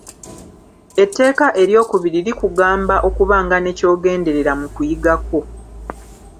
Etteeka eryokubiri likugamba okubanga ne ky'ogenderera mu kuyiga kwo.